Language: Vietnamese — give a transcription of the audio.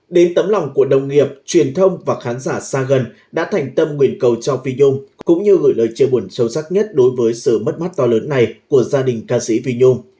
đến tấm lòng của đồng nghiệp truyền thông và khán giả xa gần đã thành tâm nguyện cầu cho vi yong cũng như gửi lời chia buồn sâu sắc nhất đối với sự mất mắt to lớn này của gia đình ca sĩ vi nhung